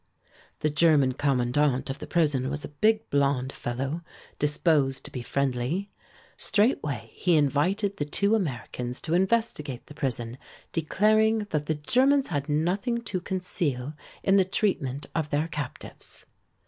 The German commandant of the prison was a big, blond fellow, disposed to be friendly. Straightway he invited the two Americans to investigate the prison, declaring that the Germans had nothing to conceal in the treatment of their captives.